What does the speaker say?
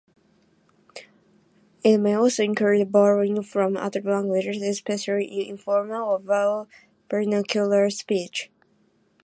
It may also include borrowings from other languages, especially in informal or vernacular speech.